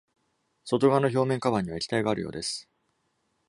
外側の表面カバーには液体があるようです。